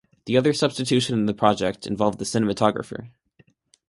The other substitution in the project involved the cinematographer.